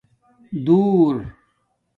دُور